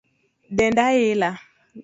Denda ila